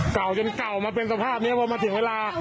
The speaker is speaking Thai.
เก่าจนเก่ามาเป็นสภาพนี้พอมาถึงเวลา